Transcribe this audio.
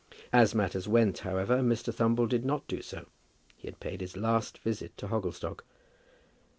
As matters went, however, Mr. Thumble did not do so. He had paid his last visit to Hogglestock.